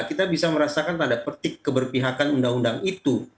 kita bisa merasakan tanda petik keberpihakan undang undang itu